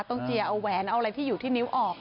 เจียเอาแหวนเอาอะไรที่อยู่ที่นิ้วออก